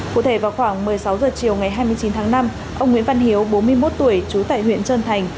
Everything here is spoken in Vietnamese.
cụ thể vào khoảng một mươi sáu h chiều ngày hai mươi chín tháng năm ông nguyễn văn hiếu bốn mươi một tuổi trú tại huyện trơn thành